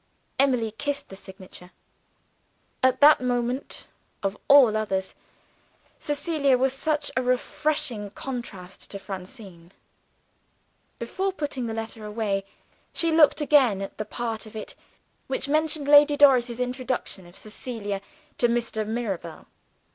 Emily kissed the signature. At that moment of all others, Cecilia was such a refreshing contrast to Francine! Before putting the letter away, she looked again at that part of it which mentioned Lady Doris's introduction of Cecilia to Mr. Mirabel.